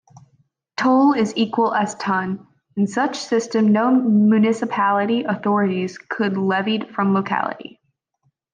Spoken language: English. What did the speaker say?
Toll is equal as ton...in such system no municipality authorities could levied from locality.